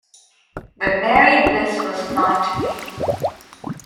But married bliss was not to be.